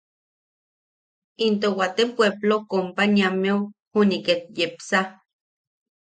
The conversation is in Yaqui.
Into waate pueplo companyiammeu juniʼi ket yepsa.